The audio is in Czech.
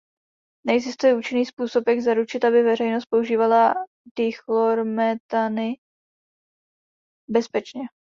Neexistuje účinný způsob jak zaručit, aby veřejnost používala dichlormethany bezpečně.